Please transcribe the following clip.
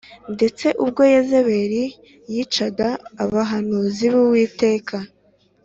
ndetse ubwo Yezebeli yicaga abahanuzi b’Uwiteka